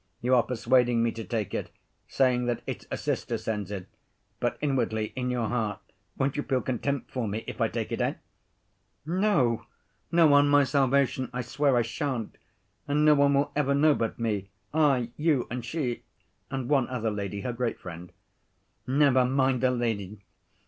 "You are persuading me to take it, saying that it's a sister sends it, but inwardly, in your heart won't you feel contempt for me if I take it, eh?" "No, no, on my salvation I swear I shan't! And no one will ever know but me—I, you and she, and one other lady, her great friend." "Never mind the lady!